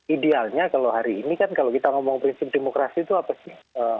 idealnya kalau hari ini kan kalau kita ngomong prinsip demokrasi itu apa sih